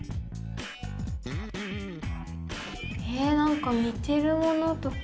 えなんか似てるものとか？